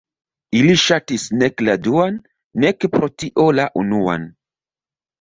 Ili ŝatis nek la duan, nek pro tio la unuan.